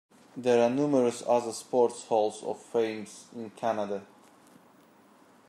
There are numerous other Sports Halls of Fames in Canada.